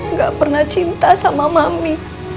nggak pernah cinta sama mami